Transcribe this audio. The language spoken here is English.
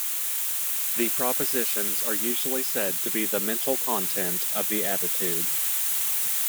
The propositions are usually said to be the "mental content" of the attitude.